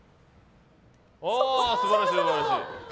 素晴らしい、素晴らしい。